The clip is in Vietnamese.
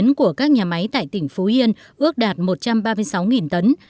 nông dân của các nhà máy tại tỉnh phú yên ước đạt một trăm ba mươi sáu tấn